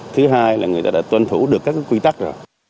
thứ hai là người ta đã tuân thủ được các quy tắc rồi